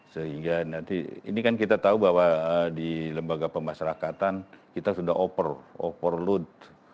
sehingga nanti ini kan kita tahu bahwa di lembaga pemasyarakatan kita sudah overload